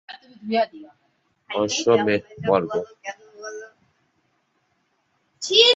এই কাব্যের "অশ্বমেধ পর্ব"টি বিখ্যাত।